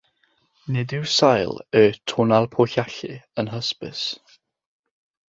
Nid yw sail y "tonalpohualli" yn hysbys.